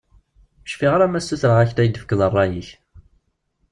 Ur cfiɣ ara ma ssutreɣ-ak-d ad iyi-d-tefkeḍ rray-ik.